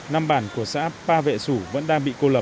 năm bản của xã pa vệ sủ vẫn đang bị cô lập